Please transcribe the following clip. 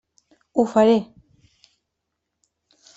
Ho faré.